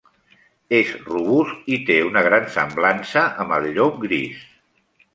És robust i té una gran semblança amb el llop gris.